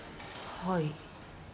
はい。